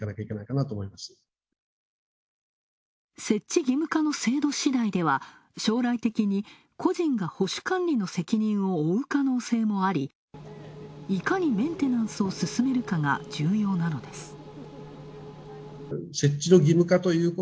設置義務化の制度しだいでは将来的に、個人が保守管理の責任を負う可能性もあり、いかにメンテナンスを進めるかが重要なのです。